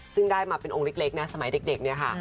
ซึ่งได้มาเป็นองค์เล็กนะสมัยเด็กเนี่ยค่ะ